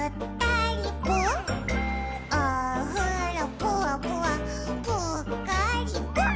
「おふろぷわぷわぷっかりぽっ」